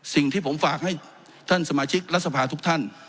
สิ่งที่ผมฝากให้ท่านสมาชิกรัฐสภาทุกท่าน